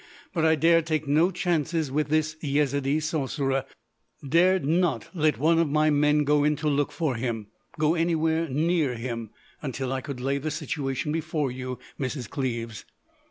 But I dared take no chances with this Yezidee sorcerer—dared not let one of my men go in to look for him—go anywhere near him,—until I could lay the situation before you, Mrs. Cleves."